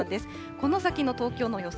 この先の東京の予想